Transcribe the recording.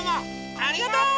ありがとう！